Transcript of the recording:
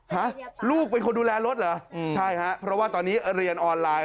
ฮะลูกเป็นคนดูแลรถเหรอใช่ฮะเพราะว่าตอนนี้เรียนออนไลน์